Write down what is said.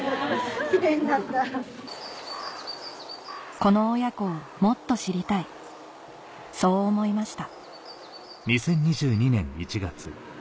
この親子をもっと知りたいそう思いました